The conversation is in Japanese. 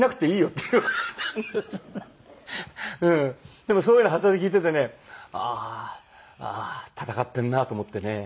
でもそういうのはたで聞いててねああ戦ってんなと思ってね。